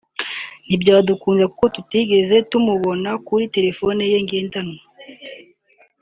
ntibyadukundira kuko tutigeze tumubona kuri terefone ye igendanwa